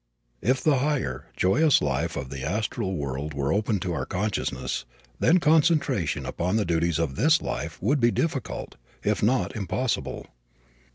If the higher, joyous life of the astral world were open to our consciousness, then concentration upon the duties of this life would be difficult, if not impossible.